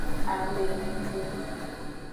Amehenxu.